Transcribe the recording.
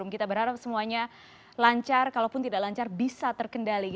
kita berharap semuanya lancar kalaupun tidak lancar bisa terkendali